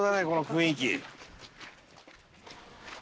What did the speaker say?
この雰囲気。